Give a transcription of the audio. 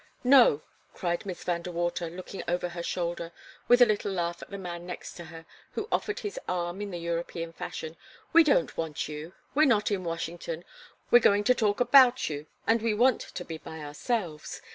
"No!" cried Miss Van De Water, looking over her shoulder with a little laugh at the man next to her, who offered his arm in the European fashion. "We don't want you we're not in Washington we're going to talk about you, and we want to be by ourselves.